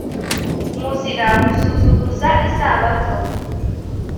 muzira gusuzuguza isabato